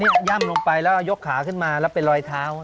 นี่ย่ำลงไปแล้วยกขาขึ้นมาแล้วเป็นรอยเท้า